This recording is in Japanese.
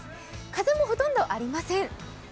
風もほとんどありません。